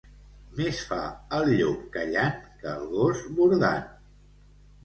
Més fa el llop callant, que el gos bordant.